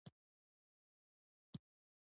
ښوونځی کې د زمانه بدلون زده کېږي